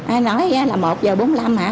ai nói là một h bốn mươi năm hả